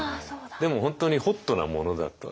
でも本当にホットなものだったわけで。